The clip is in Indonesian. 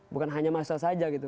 bukan hanya massa saja gitu